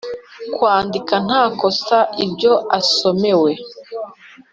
Kwandika nta kosa ibyo asomewe